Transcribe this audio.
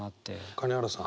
金原さん。